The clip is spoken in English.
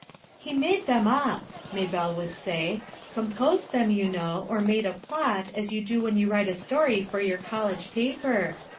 "lie made them up/' Maybclio would say, "composed them, you know, or made a plot, as you do when you write a slory for your college paper.